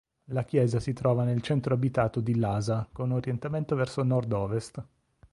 La chiesa si trova nel centro abitato di Lasa con orientamento verso nord ovest.